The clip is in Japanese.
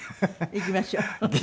いきましょう。